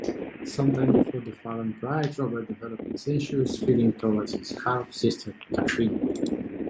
Sometime before the Fallon Pride, Robert develops incestuous feelings towards his half-sister Catherine.